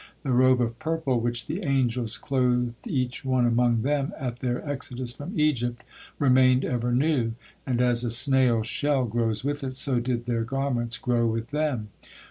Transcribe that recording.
The robe of purple which the angels clothed each one among them at their exodus from Egypt remained ever new; and as a snail's shell grows with it, so did their garments grow with them.